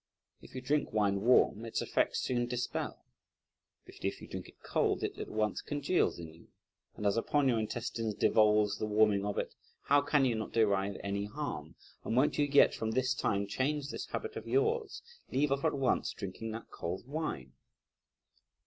If you drink wine warm, its effects soon dispel, but if you drink it cold, it at once congeals in you; and as upon your intestines devolves the warming of it, how can you not derive any harm? and won't you yet from this time change this habit of yours? leave off at once drinking that cold wine."